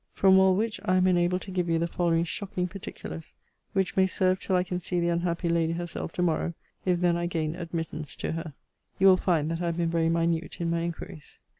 From all which I am enabled to give you the following shocking particulars: which may serve till I can see the unhappy lady herself to morrow, if then I gain admittance to her. You will find that I have been very minute in my inquiries.